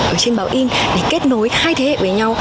ở trên báo in để kết nối hai thế hệ với nhau